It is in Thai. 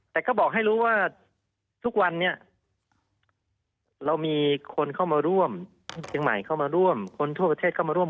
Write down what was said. แต่ก็บอกให้รู้ว่าทุกวันนี้เรามีคนเข้ามาร่วมเชียงใหม่เข้ามาร่วมคนทั่วประเทศเข้ามาร่วม